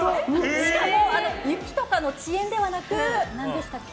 しかも雪とかの遅延ではなく何でしたっけ？